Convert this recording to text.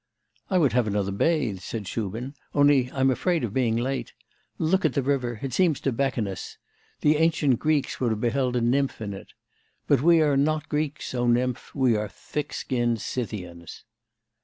'I would have another bathe,' said Shubin, 'only I'm afraid of being late. Look at the river; it seems to beckon us. The ancient Greeks would have beheld a nymph in it. But we are not Greeks, O nymph! we are thick skinned Scythians.